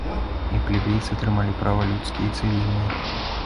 І плебейцы атрымалі правы людскія і цывільныя.